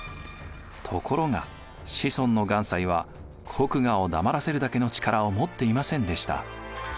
ところが子孫の願西は国衙を黙らせるだけの力を持っていませんでした。